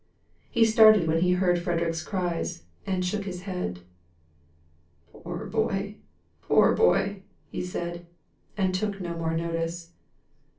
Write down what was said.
He started when he heard Frederick's cries, and shook his head: "Poor boy! poor boy!" he said, and then took no more notice.